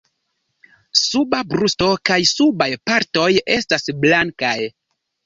Suba brusto kaj subaj partoj estas blankaj.